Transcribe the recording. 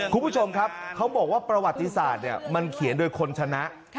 คุณผู้ชมครับเขาบอกว่าประวัติศาสตร์มันเขียนโดยคนชนะ